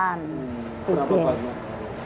antaranya kita merengkuk karyawan